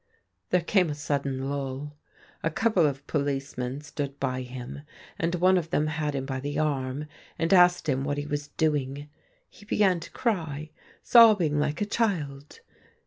There came a sudden lull. A couple of policemen stood by him, and one of them had him by the arm, and asked him what he was doing. He began to cry, sobbing like a child.